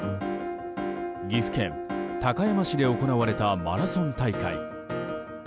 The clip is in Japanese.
岐阜県高山市で行われたマラソン大会。